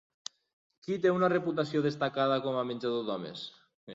Qui té una reputació destacada com a menjador d'homes?